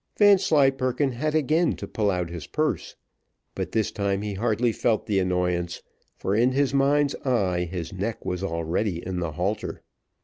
Vanslyperken had again to pull out his purse; but this time he hardly felt the annoyance, for in his mind's eye his neck was already in the halter.